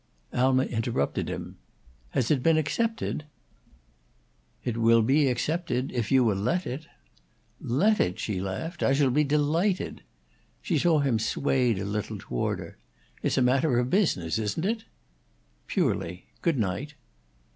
Alma interrupted him. "Has it been accepted?" "It will be accepted, if you will let it." "Let it?" she laughed. "I shall be delighted." She saw him swayed a little toward her. "It's a matter of business, isn't it?" "Purely. Good night."